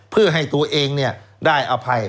เพื่อให้ตัวเองได้อภัย